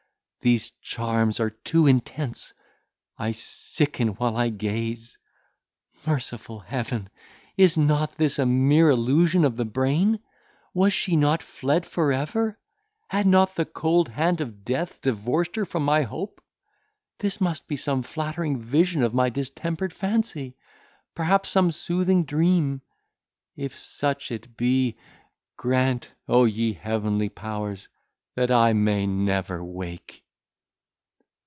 These charms are too intense; I sicken while I gaze! Merciful Heaven! is not this a mere illusion of the brain? Was she not fled for ever? Had not the cold hand of death divorced her from my hope? This must be some flattering vision of my distempered fancy! perhaps some soothing dream— If such it be, grant, O ye heavenly powers! that I may never wake."